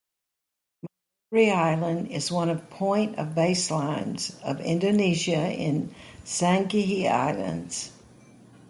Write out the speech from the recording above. Marore Island is one of point of baselines of Indonesia in Sangihe Islands.